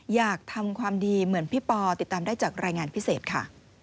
อยากทำความดีเหมือนพี่ปอติดตามได้จากรายงานพิเศษค่ะ